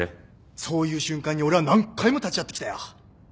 そういう瞬間に俺は何回も立ち会ってきたよ。